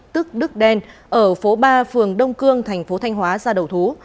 tức đức đen ở phố ba phường đông cương thành phố thanh hóa ra đầu thú